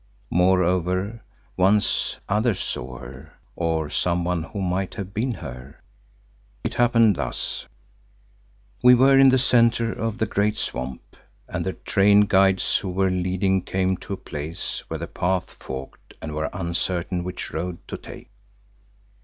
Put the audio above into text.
Moreover, once others saw her, or someone who might have been her. It happened thus. We were in the centre of the great swamp and the trained guides who were leading came to a place where the path forked and were uncertain which road to take.